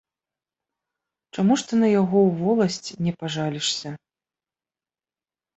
Чаму ж ты на яго ў воласць не пажалішся?